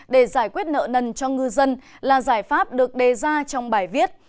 để giải quyết nợ nần cho ngư dân là giải pháp được đề ra trong bài viết